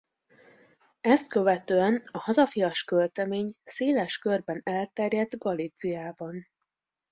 Ezt követően a hazafias költemény széles körben elterjedt Galíciában.